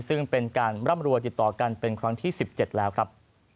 ซึ่งเป็นการร่ำรวยติดต่อกันเป็นครั้งที่๑๗แล้วครับ